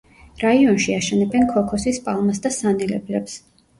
რაიონში აშენებენ ქოქოსის პალმას და სანელებლებს.